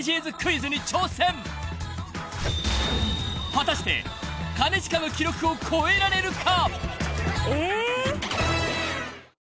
［果たして兼近の記録を超えられるか？］